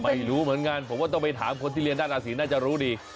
ไม่รู้เหมือนกันผมว่าต้องไปถามคนที่เรียนด้านราศีน่าจะรู้ดี